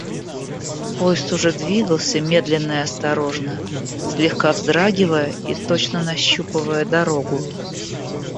Поезд уже двигался медленно и осторожно, слегка вздрагивая и точно нащупывая дорогу.